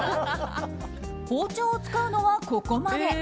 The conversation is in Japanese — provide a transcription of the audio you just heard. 包丁を使うのはここまで。